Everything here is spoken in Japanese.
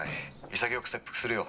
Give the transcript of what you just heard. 潔く切腹するよ」。